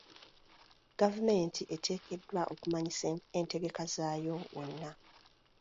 Gavumenti eteekeddwa okumanyisa entegeka zaayo wonna.